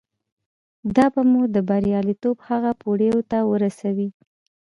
دا به مو د برياليتوب هغو پوړيو ته ورسوي.